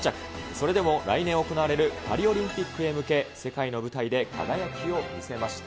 それでも来年行われるパリオリンピックへ向け、世界の舞台で輝きを見せました。